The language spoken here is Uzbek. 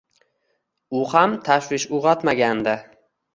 U ham tashvish uyg’otmagandi.